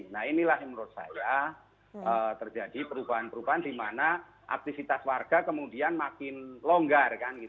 nah inilah yang menurut saya terjadi perubahan perubahan di mana aktivitas warga kemudian makin longgar